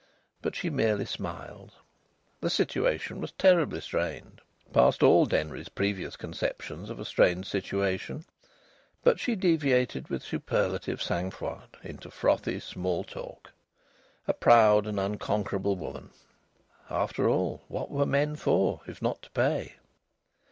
But she merely smiled. The situation was terribly strained, past all Denry's previous conceptions of a strained situation; but she deviated with superlative sang froid into frothy small talk. A proud and an unconquerable woman! After all, what were men for, if not to pay?